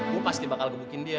gue pasti bakal gebukin dia